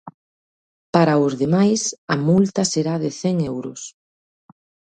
Para os demais, a multa será de cen euros.